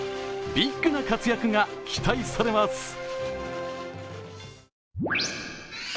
ビッグな活躍が期待されます。